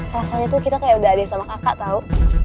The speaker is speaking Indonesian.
rasanya tuh kita kayak udah ada sama kakak tau